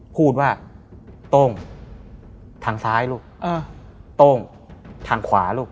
พูดว่าโต้งทางซ้ายลูกโต้งทางขวาลูก